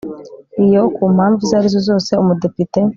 iyo ku mpamvu izo ari zo zose umudepite